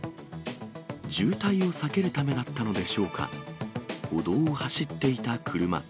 渋滞を避けるためだったのでしょうか、歩道を走っていた車。